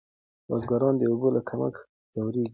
بزګران د اوبو له کمښت ځوریږي.